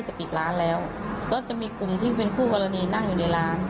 ปิดร้านแล้วก็จะมีกลุ่มที่เป็นคู่กรณีนั่งอยู่ในร้าน